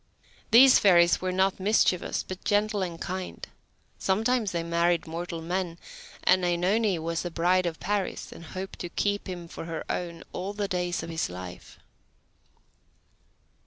These fairies were not mischievous, but gentle and kind. Sometimes they married mortal men, and OEnone was the bride of Paris, and hoped to keep him for her own all the days of his life.